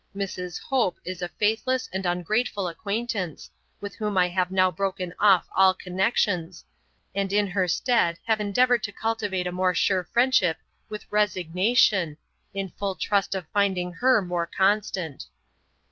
Mrs. Hope is a faithless and ungrateful acquaintance, with whom I have now broken off all connexions, and in her stead have endeavoured to cultivate a more sure friendship with Resignation, in full trust of finding her more constant.'